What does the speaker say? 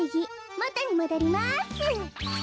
もとにもどります。